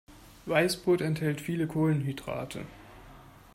Weißbrot enthält viele Kohlenhydrate.